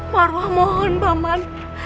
marwah mohon paman